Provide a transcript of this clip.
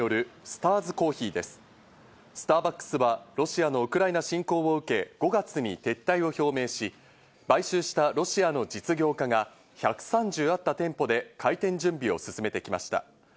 スターバックスはロシアのウクライナ侵攻を受け、５月に撤退を表明し、買収したロシアの実業家が１３０あった店舗で開店準備を進めてきました。